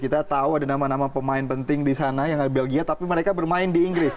kita tahu ada nama nama pemain penting di sana yang ada belgia tapi mereka bermain di inggris